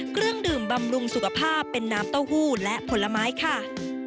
เครื่องดื่มบำรุงสุขภาพเป็นน้ำเต้าหู้และผลไม้ค่ะ